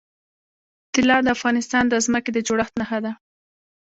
طلا د افغانستان د ځمکې د جوړښت نښه ده.